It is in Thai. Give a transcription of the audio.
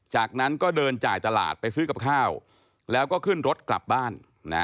จากนั้นก็เดินจ่ายตลาดไปซื้อกับข้าวแล้วก็ขึ้นรถกลับบ้าน